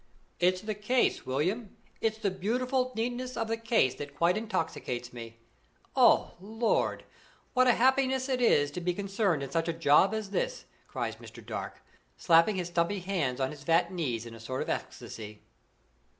"It's the case, William it's the beautiful neatness of the case that quite intoxicates me. Oh, Lord, what a happiness it is to be concerned in such a job as this!" cries Mr. Dark, slapping his stumpy hands on his fat knees in a sort of ecstasy.